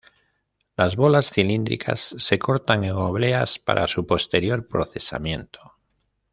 Las bolas cilíndricas se cortan en obleas para su posterior procesamiento.